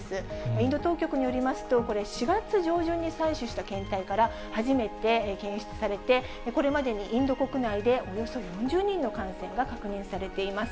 インド当局によりますと、これ、４月上旬に採取した検体から初めて検出されて、これまでにインド国内で、およそ４０人の感染が確認されています。